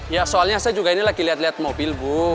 ya soalnya saya juga ini lagi lihat lihat mobil bu